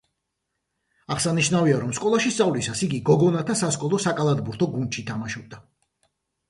აღსანიშნავია, რომ სკოლაში სწავლისას იგი გოგონათა სასკოლო საკალათბურთო გუნდში თამაშობდა.